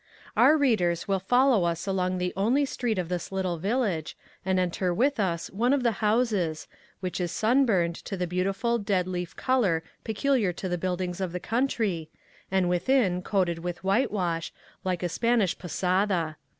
Our readers will follow us along the only street of this little village, and enter with us one of the houses, which is sunburned to the beautiful dead leaf color peculiar to the buildings of the country, and within coated with whitewash, like a Spanish posada.